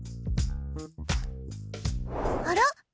あら？